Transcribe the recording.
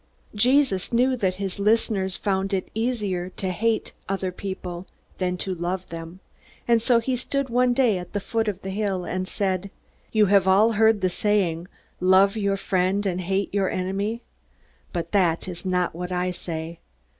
Jesus knew that his listeners found it easier to hate other people than to love them. And so he stood one day at the foot of the hill and said: "You have all heard the saying, Love your friend and hate your enemy. But that is not what I say.